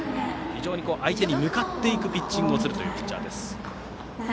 非常に相手に向かっていくピッチングをするというピッチャーです。